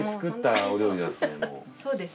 そうです。